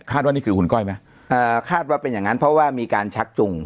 ว่านี่คือคุณก้อยไหมเอ่อคาดว่าเป็นอย่างนั้นเพราะว่ามีการชักจุง